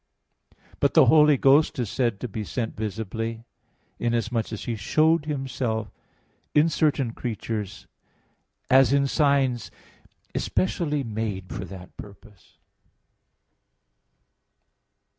But the Holy Ghost is said to be sent visibly, inasmuch as He showed Himself in certain creatures as in signs especially made for that purpose.